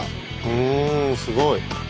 うんすごい！